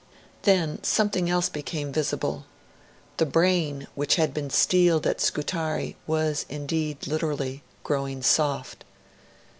Then something else became visible. The brain which had been steeled at Scutari was indeed, literally, growing soft.